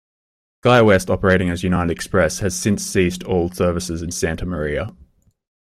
SkyWest operating as United Express has since ceased all service into Santa Maria.